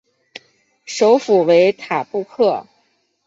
首府为塔布克。